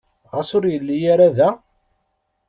Ɣas ur yelli ara da?